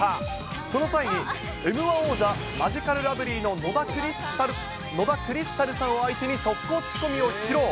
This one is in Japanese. その際に、Ｍー１王者、マヂカルラブリーの野田クリスタルさんを相手に即効ツッコミを披露。